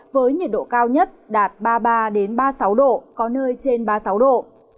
với nhiệt độ cao nhất đạt ba mươi ba ba mươi sáu độ có nơi trên ba mươi sáu độ